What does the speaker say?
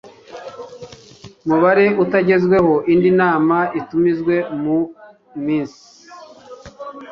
mubare utagezeho indi nama itumizwa mu minsi